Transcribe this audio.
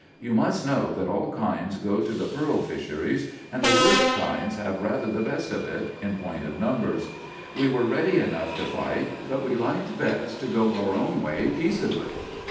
You must know that all kinds go to the pearl fisheries; and the worst kinds have rather the best of it, in point of numbers. We were ready enough to fight, but we liked best to go our own way peaceably.